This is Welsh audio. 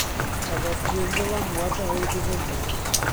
Cafodd gryn ddylanwad ar ei ddilynwyr.